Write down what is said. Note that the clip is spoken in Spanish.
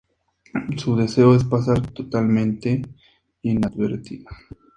Su deseo es pasar totalmente inadvertida.